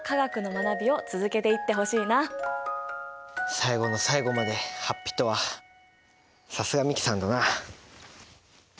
最後の最後まで法被とはさすが美樹さんだな。